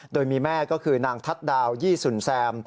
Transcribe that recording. โดยมีแม่ก็คือนางทัศน์ดาวยี่สุนแซม